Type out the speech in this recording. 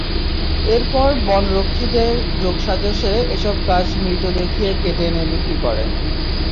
এরপর বনরক্ষীদের যোগসাজশে এসব গাছ মৃত দেখিয়ে কেটে এনে বিক্রি করে।